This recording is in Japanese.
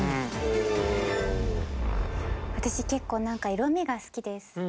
私結構何か色みが好きです。